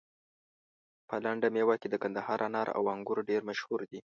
په لنده ميوه کي د کندهار انار او انګور ډير مشهور دي